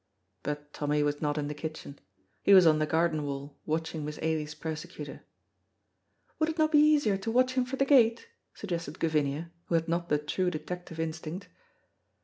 But Tommy was not in the kitchen; he was on the garden wall watching Miss Ailie's persecutor. "Would it no be easier to watch him frae the gate?" suggested Gavinia, who had not the true detective instinct.